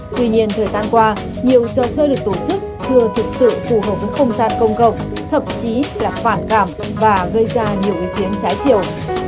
tuy nhiên thời gian qua nhiều trò chơi được tổ chức chưa thực sự phù hợp với không gian công cộng thậm chí là phản cảm và gây ra nhiều ý kiến trái chiều